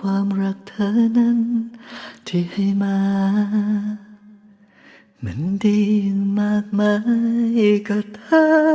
ความรักเธอนั้นที่ให้มาเหมือนดีมากมายกับเธอ